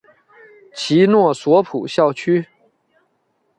其诺索普校区。